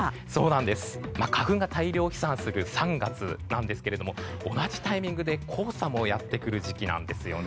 花粉が大量飛散する３月なんですけども同じタイミングで黄砂もやってくる時期なんです。